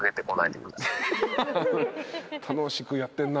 楽しくやってんな。